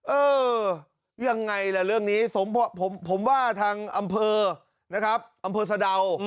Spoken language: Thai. เออยังไงล่ะเรื่องนี้ผมว่าทางอำเภอนะครับอำเภอสะดาว